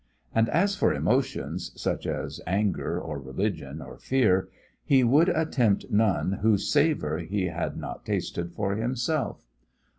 And as for emotions such as anger, or religion, or fear he would attempt none whose savour he had not tasted for himself.